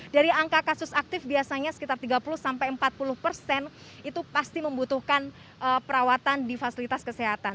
dari angka kasus aktif biasanya sekitar tiga puluh sampai empat puluh persen itu pasti membutuhkan perawatan di fasilitas kesehatan